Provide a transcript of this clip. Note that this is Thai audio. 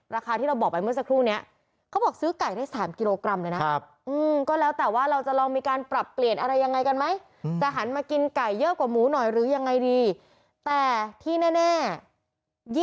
ราคาที่เราบอกไปเมื่อสักครู่เนี่ย